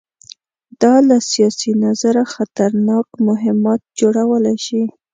دا له سیاسي نظره خطرناک مهمات جوړولی شي.